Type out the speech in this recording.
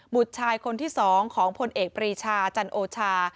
บุตรชายคนที่สองของผลเอกบริชาจันโอชา